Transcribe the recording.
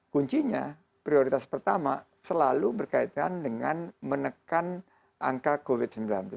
kuncinya prioritas pertama selalu berkaitan dengan menekan angka covid sembilan belas